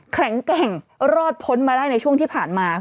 แข็งแกร่งรอดพ้นมาได้ในช่วงที่ผ่านมา